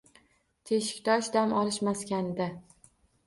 “Teshiktosh” dam olish maskanida...